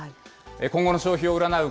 今後の消費を占う